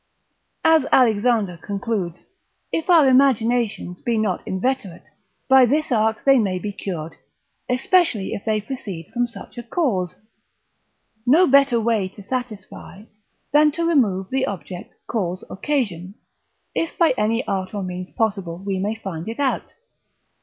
As Alexander concludes, If our imaginations be not inveterate, by this art they may be cured, especially if they proceed from such a cause. No better way to satisfy, than to remove the object, cause, occasion, if by any art or means possible we may find it out.